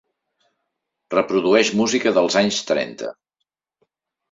Reprodueix música dels anys trenta.